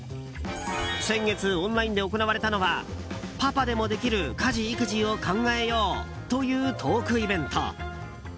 先月オンラインで行われたのは「パパでもできる家事・育児を考えよう！」というトークイベント。